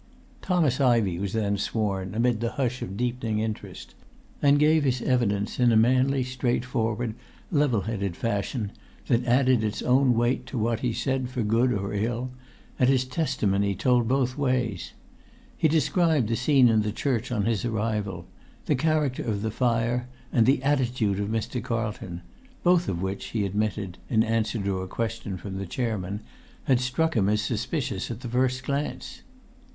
Thomas Ivey was then sworn, amid the hush of deepening interest, and gave his evidence in a manly, straightforward, level headed fashion, that added its own weight to what he said for good or ill; and his testimony told both ways. He described the scene in the church on his arrival; the character of the fire, and the attitude of Mr. Carlton; both of which, he admitted (in answer to a question from the chairman), had struck him as suspicious at the first glance.